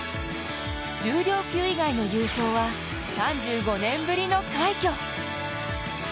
重量級以外の優勝は３５年ぶりの快挙。